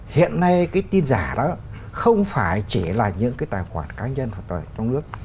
hiện nay cái tin giả đó không phải chỉ là những cái tài khoản cá nhân trong nước